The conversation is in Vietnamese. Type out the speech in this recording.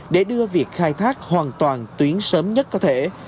để đưa việc khai thác hoàn toàn tuyến sớm nhất có thể